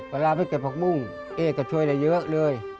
เวลาไปเก็บผักบุ้งเอ๊ก็ช่วยได้เยอะเลย